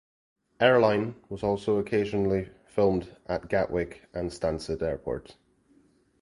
"Airline" was also occasionally filmed at Gatwick and Stansted airports.